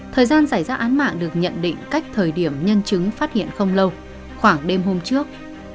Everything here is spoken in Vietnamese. thời gian xảy ra án mạng được nhận định cách thời điểm nhân chứng phát hiện không lâu khoảng đêm hôm trước